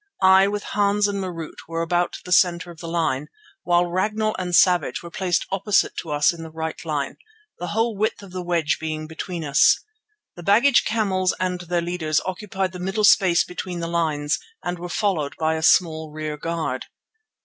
I with Hans and Marût were about the centre of the line, while Ragnall and Savage were placed opposite to us in the right line, the whole width of the wedge being between us. The baggage camels and their leaders occupied the middle space between the lines and were followed by a small rear guard.